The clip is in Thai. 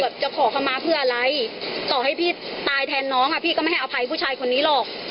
จะขอเข้ามาเพื่ออะไรต่อให้พี่ตายแทนน้องอ่ะพี่ก็ไม่ให้อภัยผู้ชายคนนี้หรอก